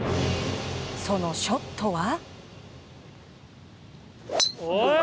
そのショットは。